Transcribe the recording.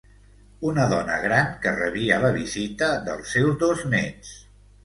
Una dona gran que rebia la visita dels seus dos néts.